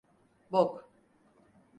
Bok!